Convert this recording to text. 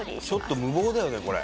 ちょっと無謀だよねこれ。